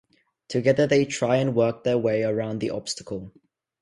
Together they try and work their way around the obstacle.